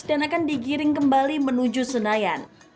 dan akan digiring kembali menuju senayan